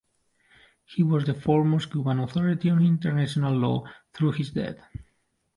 He was the foremost Cuban authority on international law through his death.